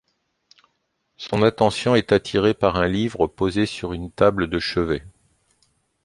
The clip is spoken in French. Son attention est attirée par un livre posé sur une table de chevet...